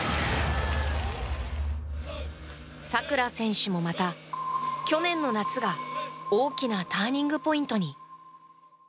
佐倉選手もまた、去年の夏が大きなターニングポイントに。